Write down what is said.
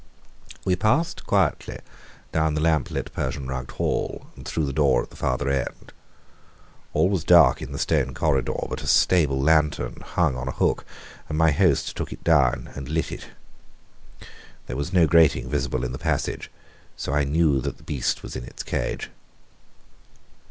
We passed quietly down the lamp lit Persian rugged hall, and through the door at the farther end. All was dark in the stone corridor, but a stable lantern hung on a hook, and my host took it down and lit it. There was no grating visible in the passage, so I knew that the beast was in its cage.